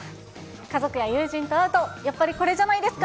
家族や友人と会うと、やっぱりこれじゃないですか。